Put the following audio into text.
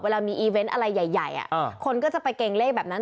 เวลามีอีเวนต์อะไรใหญ่คนก็จะไปเกรงเลขแบบนั้น